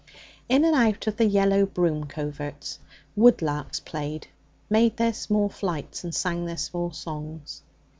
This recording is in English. In and out of the yellow broom coverts woodlarks played, made their small flights, and sang their small songs.